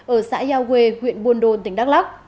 ở xã giao huê huyện buôn đôn tỉnh đắk lắc